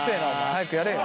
早くやれよ。